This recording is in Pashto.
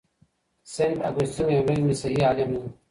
سینټ اګوستین یو لوی مسیحي عالم و.